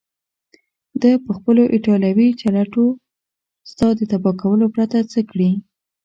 ده پخپلو ایټالوي چلوټو ستا د تباه کولو پرته څه کړي.